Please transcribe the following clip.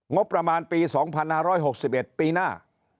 งบประมาณปีสองพันห้าร้อยหกสิบเอ็ดปีหน้า